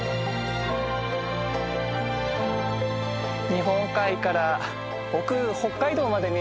日本海から奥北海道まで見えてますね。